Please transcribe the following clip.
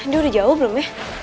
ini udah jauh belum ya